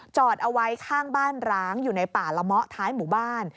จอดเอาไว้ข้างบ้านร้างอยู่ในป่าละเมาะท้ายหมู่บ้าน